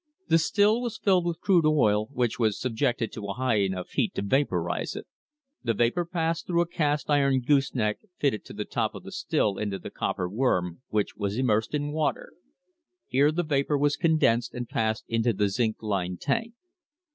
The still was filled with crude oil, which was subjected to a high enough heat to vapourise it. The vapour passed through a cast iron goose neck fitted to the top of the still into the copper worm, which was immersed in water. Here the vapour was condensed and passed into the zinc lined tank.